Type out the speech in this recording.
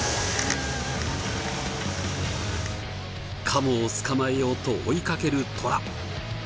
カモを捕まえようと追いかけるトラ。